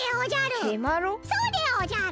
そうでおじゃる。